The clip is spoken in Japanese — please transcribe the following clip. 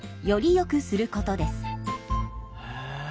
へえ。